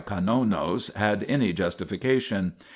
VOVOQ had any justification.